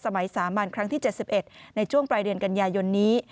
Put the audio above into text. สามัญครั้งที่๗๑ในช่วงปลายเดือนกันยายนนี้